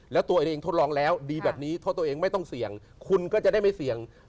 แล้วตัวเองทดลองแล้วดีแบบนี้ทดตัวเองไม่ต้องเสี่ยงคุณก็จะได้ไม่เสี่ยง